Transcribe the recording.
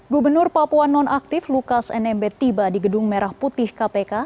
gubernur papua nonaktif lukas nmb tiba di gedung merah putih kpk